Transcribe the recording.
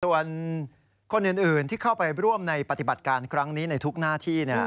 ส่วนคนอื่นที่เข้าไปร่วมในปฏิบัติการครั้งนี้ในทุกหน้าที่